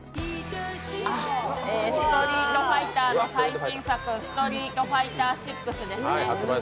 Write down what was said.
「ストリートファイター」の最新作、「ストリートファイター６」ですね。